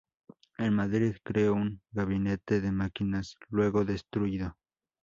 En Madrid creó un Gabinete de Máquinas, luego destruido.